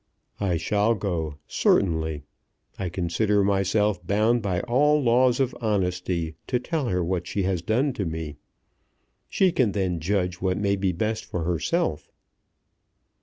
"I shall go, certainly. I consider myself bound by all laws of honesty to tell her what she has done to me. She can then judge what may be best for herself."